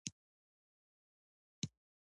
زه د قراني علومو د تخصص د دورې محصل وم.